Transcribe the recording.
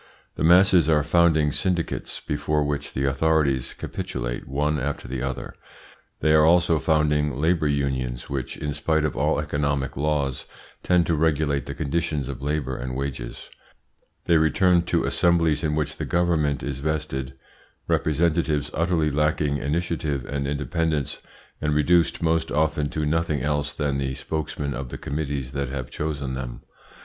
The masses are founding syndicates before which the authorities capitulate one after the other; they are also founding labour unions, which in spite of all economic laws tend to regulate the conditions of labour and wages. They return to assemblies in which the Government is vested, representatives utterly lacking initiative and independence, and reduced most often to nothing else than the spokesmen of the committees that have chosen them.